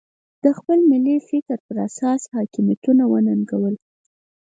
د خپل ملي فکر په اساس حاکمیتونه وننګول.